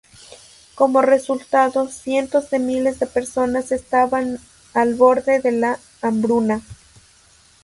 Como resultado, cientos de miles de personas estaban al borde de la hambruna.